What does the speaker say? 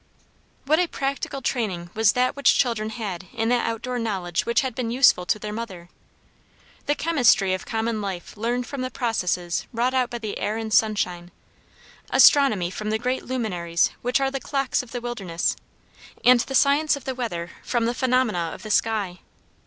What a practical training was that which children had in that outdoor knowledge which had been useful to their mother! The chemistry of common life learned from the processes wrought out by the air and sunshine; astronomy from the great luminaries which are the clocks of the wilderness, and the science of the weather from the phenomena of the sky.